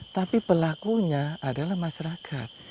tapi pelakunya adalah masyarakat